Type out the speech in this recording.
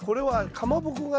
かまぼこ形。